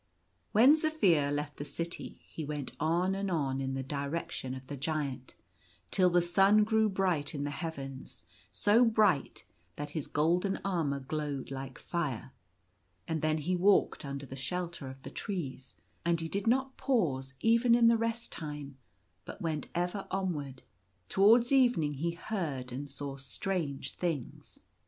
When Zaphir left the city, he went on and on in the direction of the Giant, till the sun grew bright in the heavens, so bright that his golden armour glowed like fire ; and then he walked under the shelter of the trees, and he did not pause even in the rest time, but went ever onward. Towards evening he heard and saw strange things.